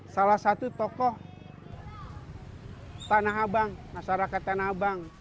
salah satu tokoh tanah abang masyarakat tanah abang